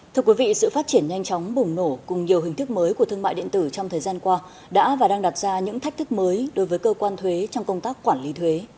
thưa quý vị sự phát triển nhanh chóng bùng nổ cùng nhiều hình thức mới của thương mại điện tử trong thời gian qua đã và đang đặt ra những thách thức mới